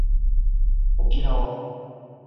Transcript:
沖縄